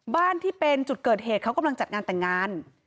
บ้านที่เป็นจุดเกิดเหตุเขากำลังจัดงานแต่งงาน